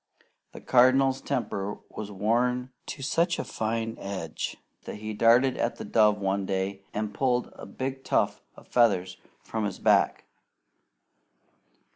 The Cardinal's temper was worn to such a fine edge that he darted at the dove one day and pulled a big tuft of feathers from his back.